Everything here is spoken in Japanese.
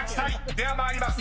では参ります。